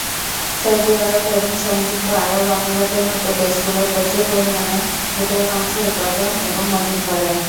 Saudi আরব এবং সংযুক্ত আরব আমিরাতের মত দেশগুলো প্রচুর পরিমাণে উটের মাংস উৎপাদন এবং মজুত করে।